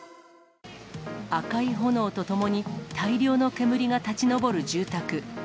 赤い炎とともに、大量の煙が立ち上る住宅。